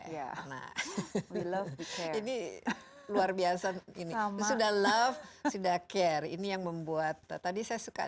iya we love to care ini luar biasa ini sudah love sudah care ini yang membuat tadi saya suka